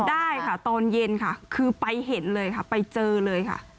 ได้ค่ะตอนเย็นค่ะคือไปเห็นเลยค่ะไปเจอเลยค่ะ